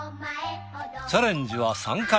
チャレンジは３回。